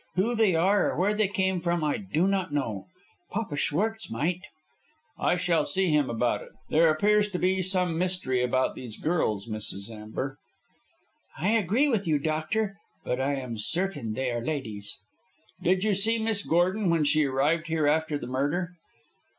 Who they are or where they came from I do not know. Papa Schwartz might." "I shall see him about it. There appears to be some mystery about these girls, Mrs. Amber." "I agree with you, doctor. But I am certain they are ladies." "Did you see Miss Gordon when she arrived here after the murder?"